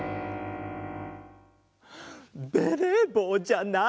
ベレーぼうじゃない！